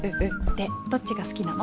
でどっちが好きなの？